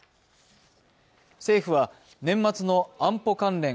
政府は年末の安保関連